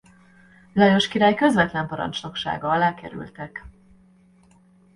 Lajos király közvetlen parancsnoksága alá kerültek.